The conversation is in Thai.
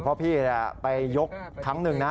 เพราะพี่ไปยกครั้งหนึ่งนะ